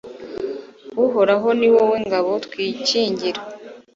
uhoraho, ni wowe ngabo twikingira